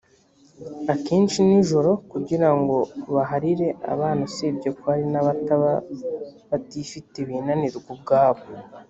akenshi nijoro kugira ngo baharire abana usibye ko hari n’abataba batifite binanirwa ubwabo